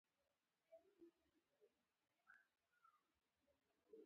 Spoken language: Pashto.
پلاستيکي کانټینرونه د اوبو لپاره کارېږي.